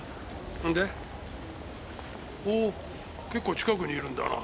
ほお結構近くにいるんだな。